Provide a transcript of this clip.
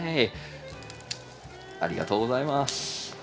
ありがとうございます。